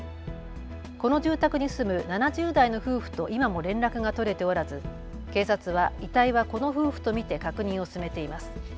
この住宅に住む７０代の夫婦と今も連絡が取れておらず警察は遺体はこの夫婦と見て確認を進めています。